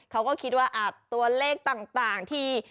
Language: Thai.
เขาก็คิดว่าตัวเลขต่างที่